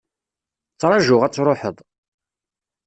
Ttrajuɣ ad truḥeḍ.